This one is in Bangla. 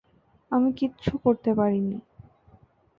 আমি কিচ্ছু করতে পারিনি।